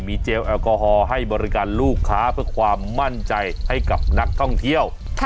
เจลแอลกอฮอล์ให้บริการลูกค้าเพื่อความมั่นใจให้กับนักท่องเที่ยว